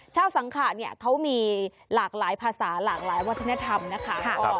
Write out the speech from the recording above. สังขะเนี่ยเขามีหลากหลายภาษาหลากหลายวัฒนธรรมนะคะ